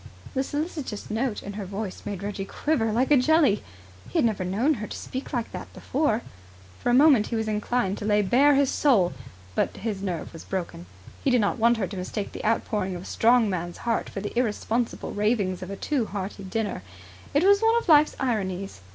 The solicitous note in her voice made Reggie quiver like a jelly. He had never known her speak like that before. For a moment he was inclined to lay bare his soul; but his nerve was broken. He did not want her to mistake the outpouring of a strong man's heart for the irresponsible ravings of a too hearty diner. It was one of Life's ironies.